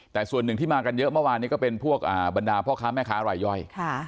แต่ส่วนหนึ่งที่มากันเยอะเมื่อวานนี้ก็เป็นพวกบรรดาพ่อค้าแม่ค้ารายย่อย